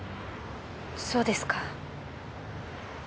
そうですか。